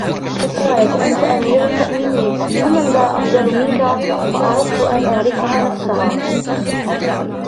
فَقَالَتْ أَنْتَ أَمِيرُ الْمُؤْمِنِينَ فَمَنْ ذَا أَفْضَلُ مِنْك فَأَرَدْتُ أَنْ أُعَرِّفَهَا نَفْسَهَا